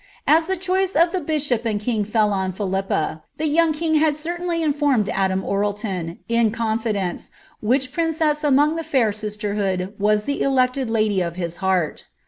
As the choice of the bishop and 1 Philippa, the young king had certainly informed Adam C ' fidence, which princess among the fair sisterhood was Ihe ■ of his heart.